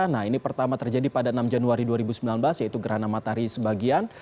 nah ini pertama terjadi pada enam januari dua ribu sembilan belas yaitu gerhana matahari sebagian